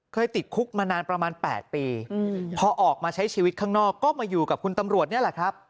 ติดคุกมานานประมาณ๘ปีพอออกมาใช้ชีวิตข้างนอกก็มาอยู่กับคุณตำรวจนี่แหละครับ